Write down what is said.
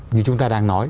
như chúng ta đang nói